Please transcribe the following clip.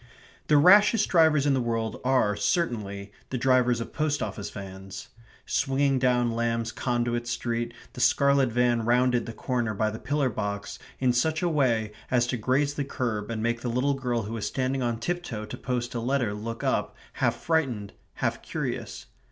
The rashest drivers in the world are, certainly, the drivers of post office vans. Swinging down Lamb's Conduit Street, the scarlet van rounded the corner by the pillar box in such a way as to graze the kerb and make the little girl who was standing on tiptoe to post a letter look up, half frightened, half curious.